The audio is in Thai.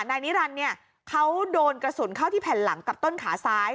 นายนิรันดิ์เนี่ยเขาโดนกระสุนเข้าที่แผ่นหลังกับต้นขาซ้าย